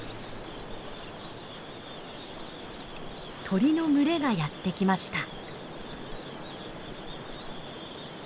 鳥の群れがやって来ました。